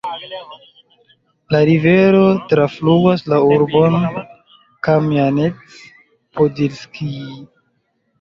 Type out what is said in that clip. La rivero trafluas la urbon Kamjanec-Podilskij.